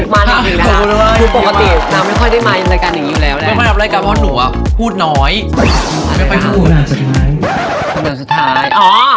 มีชื่อเสียงในหนูเด็กเลยอะ